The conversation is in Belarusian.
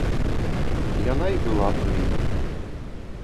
Яна і была пры ім.